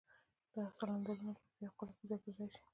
دا سلنډرونه بايد په يوه قالب کې ځای پر ځای شي.